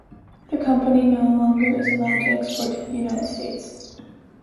The company no longer is allowed to export to the United States.